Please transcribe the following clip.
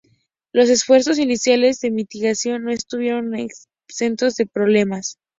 Los esfuerzos iniciales de mitigación no estuvieron exentos de problemas.